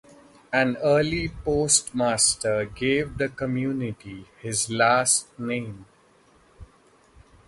An early postmaster gave the community his last name.